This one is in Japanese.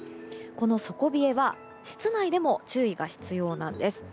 この底冷えは室内でも注意が必要です。